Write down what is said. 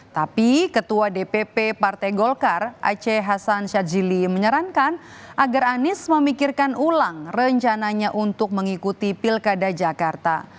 tapi ketua dpp partai golkar aceh hasan syadzili menyarankan agar anies memikirkan ulang rencananya untuk mengikuti pilkada jakarta